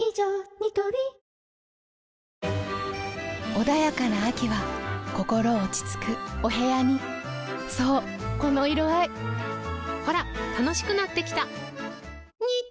ニトリ穏やかな秋は心落ち着くお部屋にそうこの色合いほら楽しくなってきた！